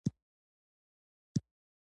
چې بډنکان د بامونو له سره پټاکیو ته کش شي.